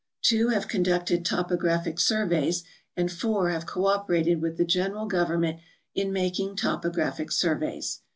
Two have conducted topographic surve3^s and four have cooperated with the general government in making topographic surveys.